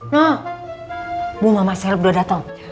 nah bu mama serap udah dateng